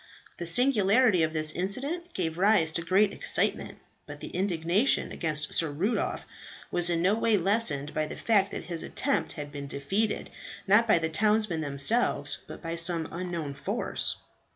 The singularity of this incident gave rise to great excitement; but the indignation against Sir Rudolph was in no way lessened by the fact that his attempt had been defeated, not by the townsmen themselves, but by some unknown force.